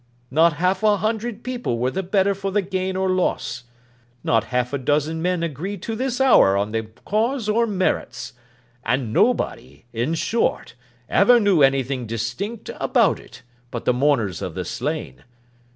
Not half a hundred people were the better for the gain or loss. Not half a dozen men agree to this hour on the cause or merits; and nobody, in short, ever knew anything distinct about it, but the mourners of the slain.